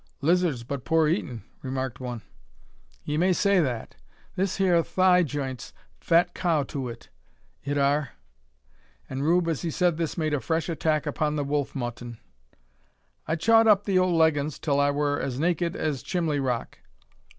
"Lizard's but poor eatin'," remarked one. "'Ee may say that. This hyur thigh jeint's fat cow to it it are." And Rube, as he said this, made a fresh attack upon the wolf mutton. "I chawed up the ole leggins, till I wur as naked as Chimley Rock."